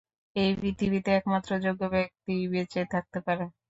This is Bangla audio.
এই পৃথিবীতে একমাত্র যোগ্য ব্যক্তিই বেঁচে থাকতে পারে।